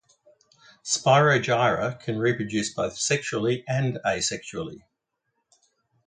"Spirogyra" can reproduce both sexually and asexually.